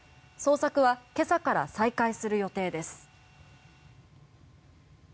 捜索は今朝から再開する予定です。